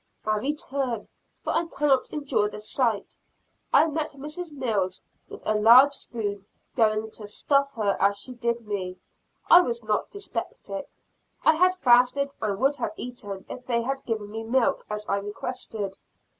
I return, for I can't endure the sight. I met Mrs. Mills, with a large spoon, going to stuff her as she did me. (I was not dyspeptic; I had fasted and would have eaten if they had given me milk, as I requested.)